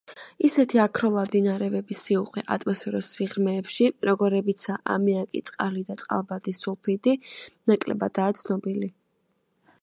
ისეთი აქროლადი ნარევების სიუხვე ატმოსფეროს სიღრმეებში, როგორებიცაა ამიაკი, წყალი და წყალბადის სულფიდი, ნაკლებადაა ცნობილი.